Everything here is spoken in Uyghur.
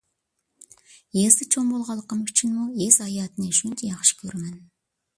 يېزىدا چوڭ بولغانلىقىم ئۈچۈنمۇ يېزا ھاياتىنى شۇنچە ياخشى كۆرىمەن.